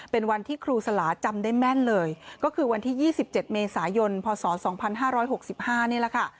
เป็นวันที่ครูสลาจำได้แม่นเลยก็คือวันที่๒๗เมษายนพศ๒๕๖๕นี่แหละค่ะ